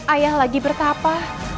ayah lagi bertapa